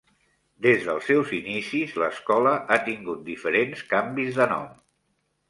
Des dels seus inicis, l'escola ha tingut diferents canvis de nom.